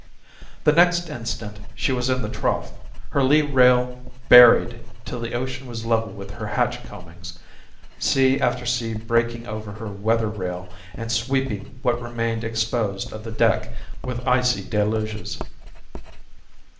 The next instant she was in the trough, her lee rail buried till the ocean was level with her hatch coamings, sea after sea breaking over her weather rail and sweeping what remained exposed of the deck with icy deluges.